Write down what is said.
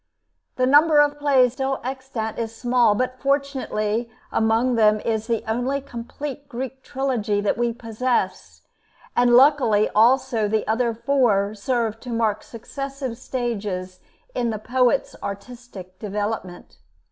The number of plays still extant is small, but fortunately, among them is the only complete Greek trilogy that we possess, and luckily also the other four serve to mark successive stages in the poet's artistic development.